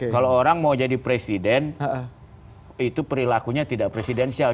kalau orang mau jadi presiden itu perilakunya tidak presidensial